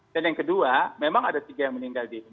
dan yang kedua memang ada tiga yang meninggal